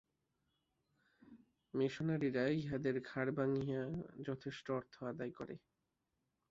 মিশনরীরা ইহাদের ঘাড় ভাঙিয়া যথেষ্ট অর্থ আদায় করে।